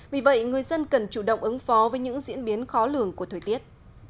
vì vậy người dân cần chủ động ứng phó với những diễn biến khó lường của thời tiết